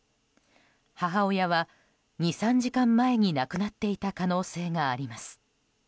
母親は２３時間前に亡くなっていた可能性があります。